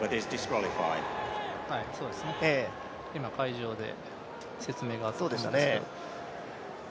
今、会場で説明があったと思います。